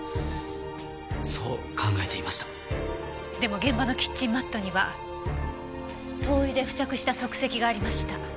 でも現場のキッチンマットには灯油で付着した足跡がありました。